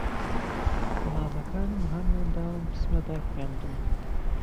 مامەکانم ھانیان دام بچمە بەر خوێندن